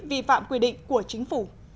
vi phạm quy định của chính phủ